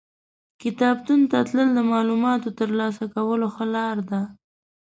کتابتون ته تلل د معلوماتو ترلاسه کولو ښه لار ده.